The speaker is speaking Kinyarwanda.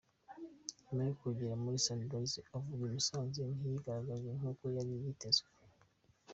Nyuma yo kugera muri Sunrise avuye I Musanze, ntiyigaragaje nkuko yari yitezwe.